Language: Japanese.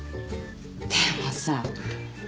でもさ。